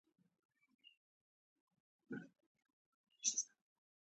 ولي داسې کوې?